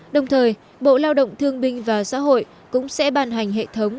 đồng thời bộ lao động thương binh và xã hội cũng sẽ ban hành hệ thống